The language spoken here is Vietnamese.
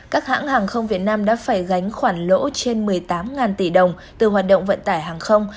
các hãng hàng không việt nam đã phải gánh khoản lỗ trên một mươi tám tỷ đồng từ hoạt động vận tải hàng không